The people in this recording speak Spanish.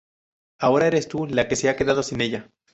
Ahora eres tú la que se ha quedado sin ella.